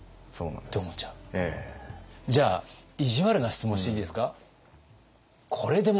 じゃあ意地悪な質問していいですか？